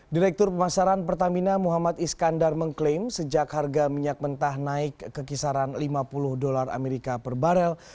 direktur pemasaran pertamina muhammad iskandar mengklaim sejak harga minyak mentah naik ke kisaran lima puluh dolar amerika per barel